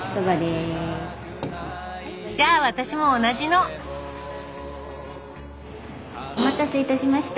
じゃあ私も同じのお待たせいたしました。